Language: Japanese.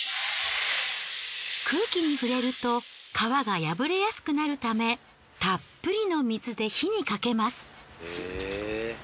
空気に触れると皮が破れやすくなるためたっぷりの水で火にかけます。